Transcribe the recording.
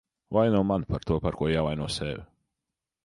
Vaino mani par to, par ko jāvaino sevi.